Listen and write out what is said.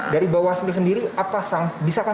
dari bawah sendiri apa